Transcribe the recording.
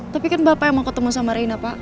tapi kan bapak yang mau ketemu sama rina pak